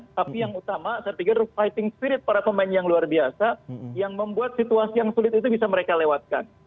tapi yang utama saya pikir fighting spirit para pemain yang luar biasa yang membuat situasi yang sulit itu bisa mereka lewatkan